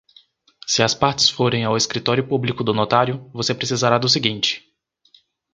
Se as partes forem ao escritório público do notário, você precisará do seguinte: